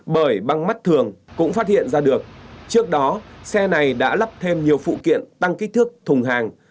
bởi băng mắt thường cũng phát hiện ra được trước đó xe này đã lắp thêm nhiều phụ kiện tăng kích thước thùng hàng